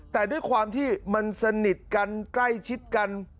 แต่ด้วยความที่มันสนิทกันใกล้ชิดกัน